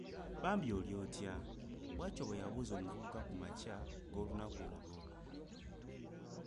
“Bambi oli otya? ”. Bw’atyo bwe yabuuza omuvubuka ku makya g’olunaku olwo.